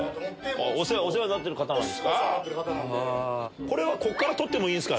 お世話になってる方なんですか？